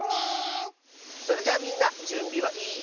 それじゃみんなじゅんびはいい？